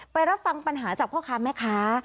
ไปรับฟังปัญหาจากข้อค้าไหมคะ